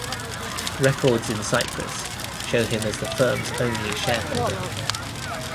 Records in Cyprus show him as the firm's only shareholder.